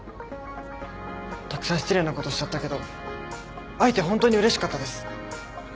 たくさん失礼なことしちゃったけど会えて本当にうれしかったです。